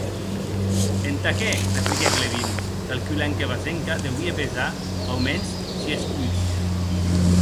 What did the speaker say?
Entà qué?, repliquèc Levin, calculant que Vasenka deuie pesar aumens sies puds.